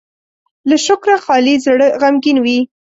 له شکره خالي زړه غمګين وي.